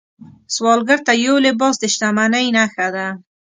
سوالګر ته یو لباس د شتمنۍ نښه ده